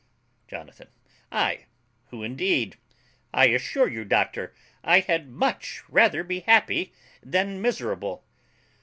JONATHAN. Ay, who indeed? I assure you, doctor, I had much rather be happy than miserable.